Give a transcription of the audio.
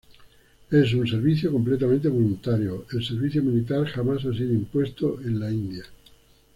Es un servicio completamente voluntario, el servicio militar jamás ha sido impuesto en India.